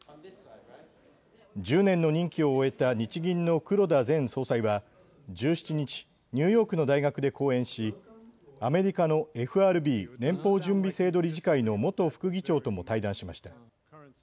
１０年の任期を終えた日銀の黒田前総裁は１７日、ニューヨークの大学で講演しアメリカのＦＲＢ・連邦準備制度理事会の元副議長とも対談しました。